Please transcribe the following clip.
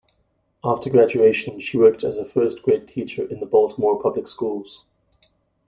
After graduation, she worked as a first grade teacher in the Baltimore Public Schools.